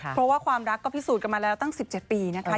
เพราะว่าความรักก็พิสูจน์กันมาแล้วตั้ง๑๗ปีนะคะ